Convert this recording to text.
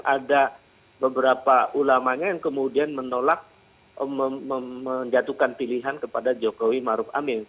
ada beberapa ulamanya yang kemudian menolak menjatuhkan pilihan kepada jokowi maruf amin